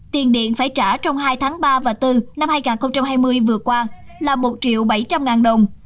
tiền điện phải trả trong hai tháng ba và bốn năm hai nghìn hai mươi vừa qua là một triệu bảy trăm linh ngàn đồng